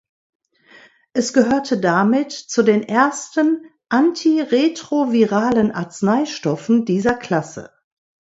Es gehörte damit zu den ersten antiretroviralen Arzneistoffen dieser Klasse.